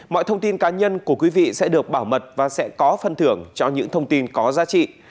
mọi thông tin cá nhân của quý vị sẽ được bảo mật và sẽ có phân thưởng cho những thông tin có giá trị